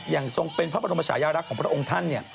ทรงเป็นพระบรมชายารักษ์ของพระองค์ท่าน